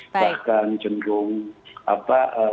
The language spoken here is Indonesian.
bahkan jenggung apa